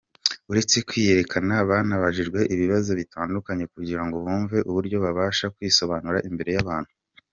Uretse kwiyerekana banabajijwe ibibazo bitandukanye kugirango bumve uburyo babasha kwisobanura imbere y'abantu.